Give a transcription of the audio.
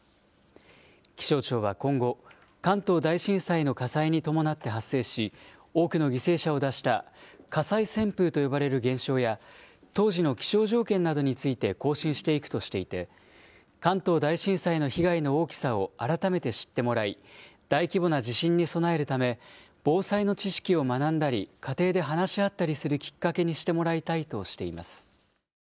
気象庁は今後、関東大震災の火災に伴って発生し多くの犠牲者を出した火災旋風と呼ばれる現象や当時の気象条件などについて更新していくとしていて関東大震災の被害の大きさを改めて知ってもらい、大規模な地震に備えるため防災の知識を学んだり家庭で話し合ったりするきっかけにしてもらいたいとしています。